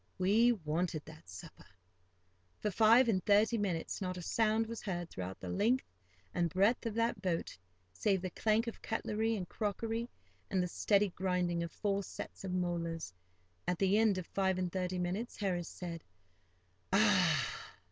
We wanted that supper. For five and thirty minutes not a sound was heard throughout the length and breadth of that boat, save the clank of cutlery and crockery, and the steady grinding of four sets of molars. At the end of five and thirty minutes, Harris said, "Ah!"